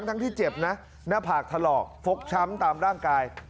ทั้งที่เจ็บนะหน้าผากถลอกฟกช้ำตามร่างกาย